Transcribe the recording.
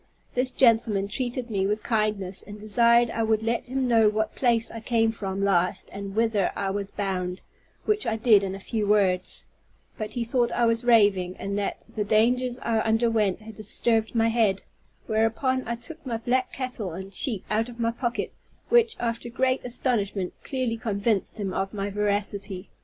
This gentleman treated me with kindness, and desired I would let him know what place I came from last and whither I was bound; which I did in few words, but he thought I was raving, and that the dangers I underwent had disturbed my head; whereupon I took my black cattle and sheep out of my pocket, which, after great astonishment, clearly convinced him of my veracity.